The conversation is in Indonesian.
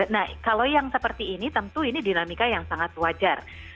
nah kalau yang seperti ini tentu ini dinamika yang sangat wajar